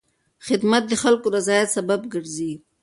خدمت د خلکو د رضایت سبب ګرځي.